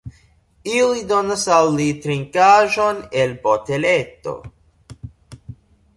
Ili donas al li trinkaĵon el boteleto.